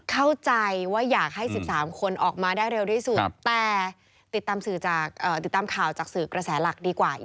เข้าใจว่าอยากให้๑๓คนออกมาได้เร็วที่สุดแต่ติดตามข่าวจากสื่อกระแสหลักดีกว่า